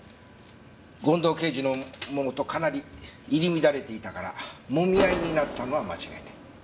権藤刑事のものとかなり入り乱れていたからもみ合いになったのは間違いない。